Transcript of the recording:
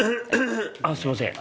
あっすいません